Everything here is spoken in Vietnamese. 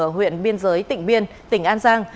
ở huyện biên giới tỉnh biên tỉnh an giang